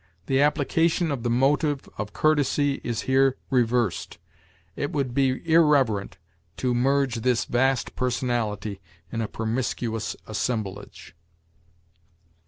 The application of the motive of courtesy is here reversed; it would be irreverent to merge this vast personality in a promiscuous assemblage.